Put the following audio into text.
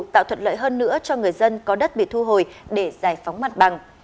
tạo thuận lợi hơn nữa cho người dân có đất bị thu hồi để giải phóng mặt bằng